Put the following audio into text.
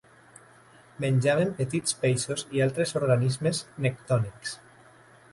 Menjaven petits peixos i altres organismes nectònics.